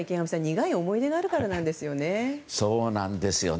苦い思い出があるからなんですよね。